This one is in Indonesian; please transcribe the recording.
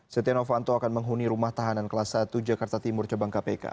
setia novanto akan menghuni rumah tahanan kelas satu jakarta timur cabang kpk